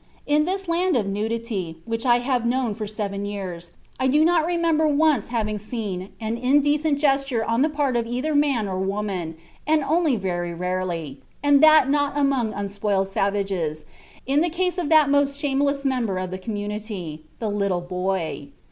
"In this land of nudity, which I have known for seven years, I do not remember once having seen an indecent gesture on the part of either man or woman, and only very rarely (and that not among unspoiled savages) in the case of that most shameless member of the community the little boy."